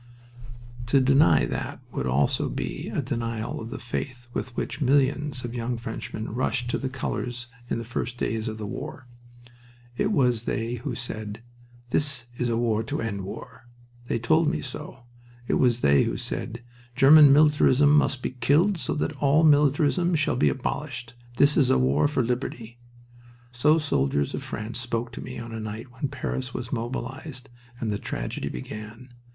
To deny that would also be a denial of the faith with which millions of young Frenchmen rushed to the colors in the first days of the war. It was they who said, "This is a war to end war." They told me so. It was they who said: "German militarism must be killed so that all militarism shall be abolished. This is a war for liberty." So soldiers of France spoke to me on a night when Paris was mobilized and the tragedy began.